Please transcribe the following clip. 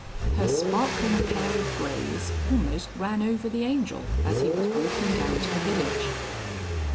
Her sparkling pair of greys almost ran over the Angel as he was walking down to the village.